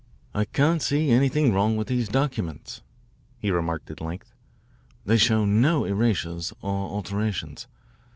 "I can't see anything wrong with these documents," he remarked at length. "They show no erasures or alterations.